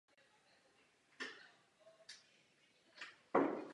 Tímto způsobem je projekce.